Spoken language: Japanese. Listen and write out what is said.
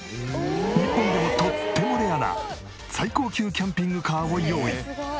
日本でもとってもレアな最高級キャンピングカーを用意。